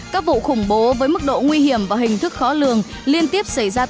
các vụ khủng bố với mức độ nguy hiểm và hình thức khó lường liên tiếp xảy ra tại nước mỹ